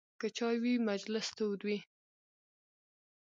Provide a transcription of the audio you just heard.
که چای وي، مجلس تود وي.